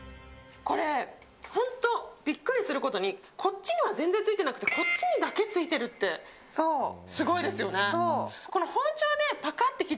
本当、ビックリすることにこっちには全然ついてなくてこっちにだけついてるってすごいですよね。